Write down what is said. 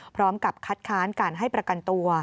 พร้อมกับคัดค้านการให้ประกันตัว